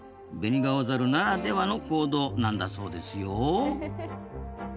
ベニガオザルならではの行動なんだそうですよ。